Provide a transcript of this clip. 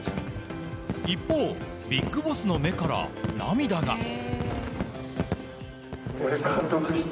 一方、ビッグボスの目から涙が。